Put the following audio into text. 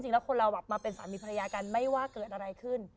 เราคนเราแบบมาเป็นสามีภรรยากันไม่ว่าเกิดอะไรขึ้น